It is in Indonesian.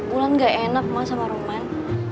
mulan gak enak ma sama roman